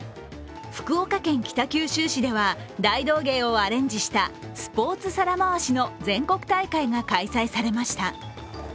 福岡県北九州市では、大道芸をアレンジしたスポーツ皿回しの全国大会が開催されました。